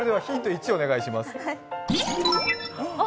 １お願いします。